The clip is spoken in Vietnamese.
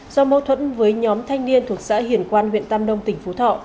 do mâu thuẫn với nhóm thanh niên thuộc xã hiển quan huyện tam nông tỉnh phú thọ